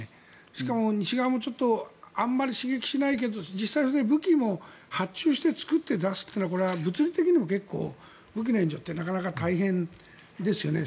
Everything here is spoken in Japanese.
しかも、西側もあまり刺激しないけども実際、武器も発注して作って出すっていうのはこれは物理的にも結構、武器の援助ってなかなか大変ですよね。